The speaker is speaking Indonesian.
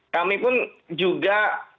kami pun juga